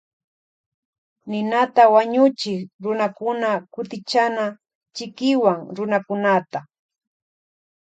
Ninata wañuchik runakuna kutichana chikiwan runakunata.